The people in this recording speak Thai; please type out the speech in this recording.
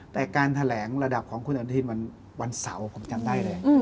แต่การแถลงระดับของคุณอนุทินวันเสาร์ผมจำได้เลย